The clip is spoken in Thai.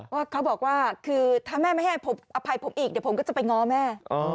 ว่าเขาบอกว่าคือถ้าแม่ไม่ให้อภัยผมอีกเดี๋ยวผมก็จะไปง้อแม่